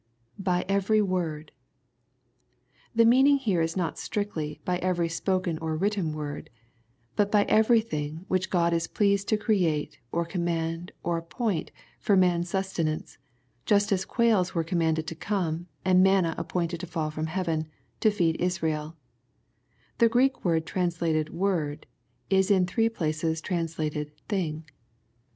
[Bt^ every word,] The meaning here is not strictly ''by evei^ spoken or written word" but by every thing whidi Qod is pleased to create, or command, or appoint, for man's sustenance, jnst as quaOs were commanded to come, and manna appointed to fall from heaven, to feed Israel The Greek word translated '' word," is in three places translated thing."